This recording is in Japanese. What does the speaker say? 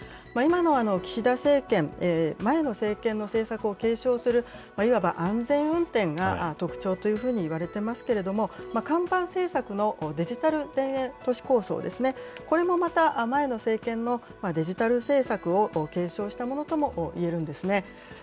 今の岸田政権、前の政権の政策を継承する、いわば安全運転が特徴というふうにいわれてますけれども、看板政策のデジタル田園都市構想ですね、これもまた、前の政権のデジタル政策を継承したものともいえるんですね。